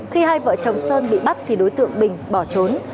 khi hai vợ chồng sơn bị bắt thì đối tượng bình bỏ trốn